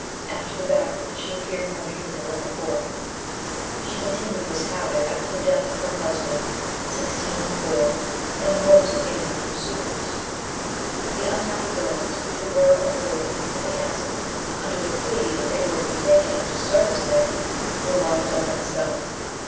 After the bath she appeared more beautiful than before. *' She continued this habit after the death of her husband (1604) in the hopes of gaining new suitors. The unhappy girls who were allured to the castle, under the plea that they were to be taken into service there, were locked up in a cellar.